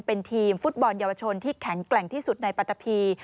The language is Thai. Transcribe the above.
เป็นทีมฟุตบอลเยาวชนที่แข็งแกร่งที่สุดในปัตตะพี